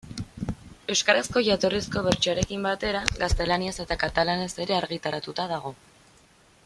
Euskarazko jatorrizko bertsioarekin batera, gaztelaniaz eta katalanez ere argitaratuta dago.